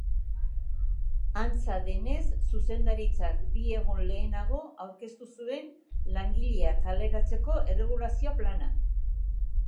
Antza denez, zuzendaritzak bi egun lehenago aurkeztu zuen langileak kaleratzeko erregulazio plana.